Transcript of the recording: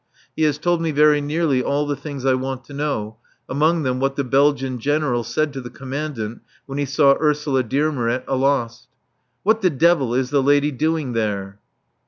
He has told me very nearly all the things I want to know, among them what the Belgian General said to the Commandant when he saw Ursula Dearmer at Alost: "What the devil is the lady doing there?"